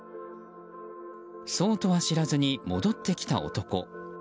そうとは知らずに戻ってきた男。